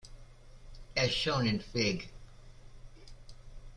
As shown in fig.